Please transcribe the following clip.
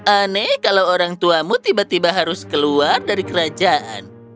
aneh kalau orang tuamu tiba tiba harus keluar dari kerajaan